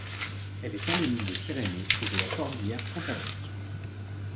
Elle est endémique des Pyrénées et de la cordillère Cantabrique.